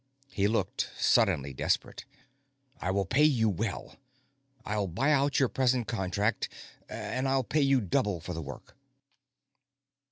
He looked suddenly desperate. "I will pay you well. I'll buy out your present contract, and I'll pay you double for the work."